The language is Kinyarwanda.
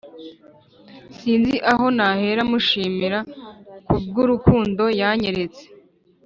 sinzi aho nahera mushimira kubw'urukundo yanyeretse